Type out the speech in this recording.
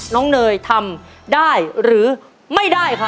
น้องเนยทำได้หรือไม่ได้ค่ะ